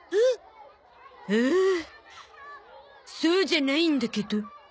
えっ？はあそうじゃないんだけど。